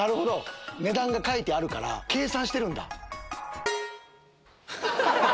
値段が書いてあるから計算してるんだ。